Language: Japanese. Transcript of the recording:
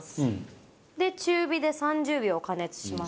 で中火で３０秒加熱します。